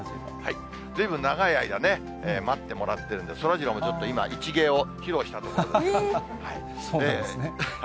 ずいぶん長い間ね、待ってもらってるんで、そらジローもちょっと、今、そうなんですね。